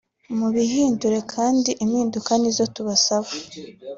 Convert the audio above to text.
mubihindure kandi impinduka nizo tubasaba